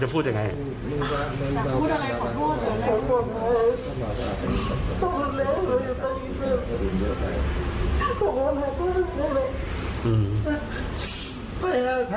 เป็นมูกันไหมนะ